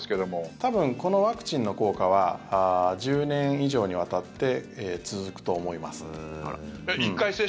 多分このワクチンの効果は１０年以上にわたって続くと思います。